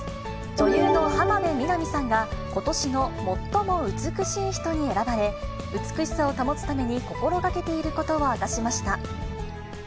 女優の浜辺美波さんが、ことしの最も美しい人に選ばれ、美しさを保つために心がけていることを明かしました。